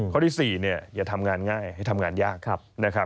ข้อที่๔อย่าทำงานง่ายอย่าทำงานยาก